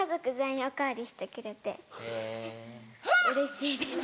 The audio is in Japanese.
うれしいです。